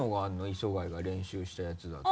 磯貝が練習したやつだと。